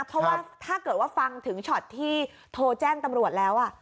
เพราะว่าถ้าเกิดว่าฟังถึงช็อตที่โทรแจ้งตำรวจแล้ว